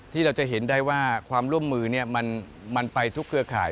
ที่เราจะเห็นได้ว่าความร่วมมือมันไปทุกเครือข่าย